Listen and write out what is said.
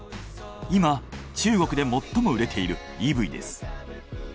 今中国で最も売れているＥＶです。